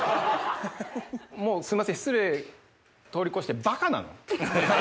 すんません失礼通り越してばかなの？